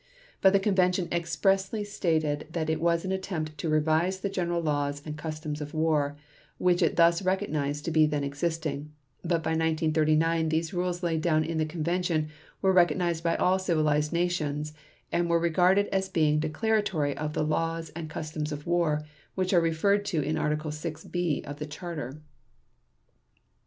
But the convention expressly stated that it was an attempt "to revise the general laws and customs of war", which it thus recognized to be then existing, but by 1939 these rules laid down in the Convention were recognized by all civilized nations, and were regarded as being declaratory of the laws and customs of war which are referred to in Article 6 (b) of the Charter.